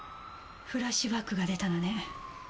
フラッシュバックが出たのね。